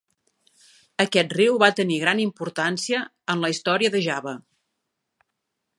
Aquest riu va tenir gran importància en la història de Java.